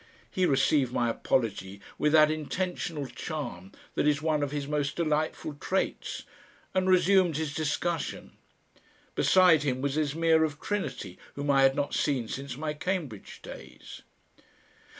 He received my apology with that intentional charm that is one of his most delightful traits, and resumed his discussion. Beside him was Esmeer of Trinity, whom I had not seen since my Cambridge days....